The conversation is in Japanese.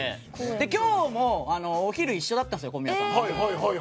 今日もお昼、一緒だったんです小宮さんと。